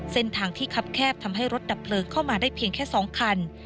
เส้นทางที่คับแคบทำให้รถดับเพลิงเข้ามาได้เพียงแค่๒คัน